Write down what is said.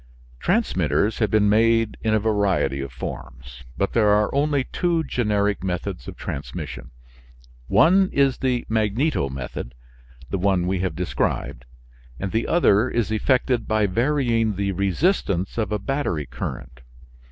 Transmitters have been made in a variety of forms, but there are only two generic methods of transmission. One is the magneto method the one we have described and the other is effected by varying the resistance of a battery current.